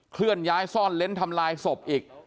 เคลื่อนย้ายซ่อนเล้นทำลายศพอีก